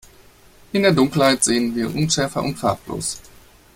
In der Dunkelheit sehen wir unschärfer und farblos.